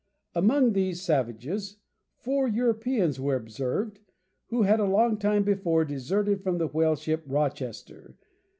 Among these savages four Europeans were observed, who had a long time before deserted from the whale ship Rochester.